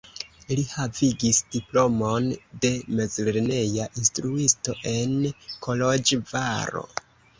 Li havigis diplomon de mezlerneja instruisto en Koloĵvaro.